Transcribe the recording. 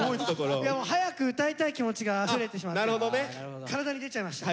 早く歌いたい気持ちがあふれてしまって体に出ちゃいました。